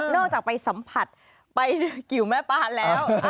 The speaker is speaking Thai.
อกจากไปสัมผัสไปกิวแม่ปานแล้ว